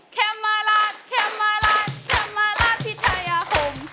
แคมมาราชแคมมาราชแคมมาราชพิทยาคม